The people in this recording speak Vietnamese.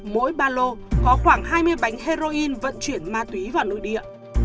mỗi ba lô có khoảng hai mươi bánh heroin vận chuyển ma túy vào nội địa